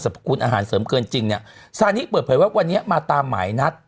พคุณอาหารเสริมเกินจริงเนี่ยซานิเปิดเผยว่าวันนี้มาตามหมายนัด